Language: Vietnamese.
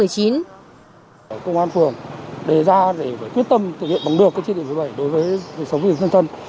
công an phường đề ra để quyết tâm thực hiện bằng được các chỉ thị số một mươi bảy đối với sống dân thân